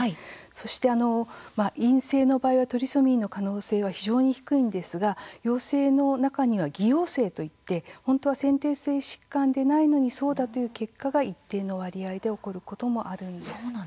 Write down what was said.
そして、陰性の場合はトリソミーの可能性は非常に低いんですが陽性の中には、偽陽性といって本当は先天性疾患でないのにそうだという結果が一定の割合で起こることもあるんです。